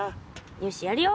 よしやるよ。